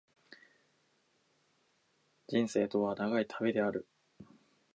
四川蜂起から武昌蜂起を経て辛亥革命は起こった。